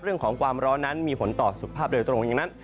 เรื่องของความร้อนนั้นมีผลต่อสุขภาพโดยตรงอย่างนั้น